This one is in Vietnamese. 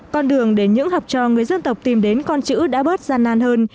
con đường để những học trò người dân tộc tìm đến con chữ đã bớt gian nan hơn